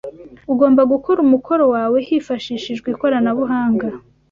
Ugomba gukora umukoro wawe hifashishijwe ikoranabuhanga.